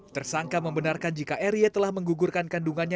tersangka membenarkan jika r y telah menggugurkan kandungannya